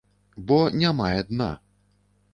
Бо не мае дна.